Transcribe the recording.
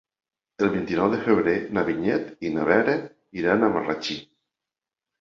El vint-i-nou de febrer na Vinyet i na Vera iran a Marratxí.